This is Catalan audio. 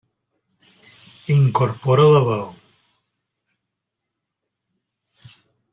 Incorpora la veu.